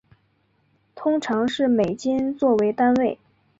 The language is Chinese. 通常是美金做为单位。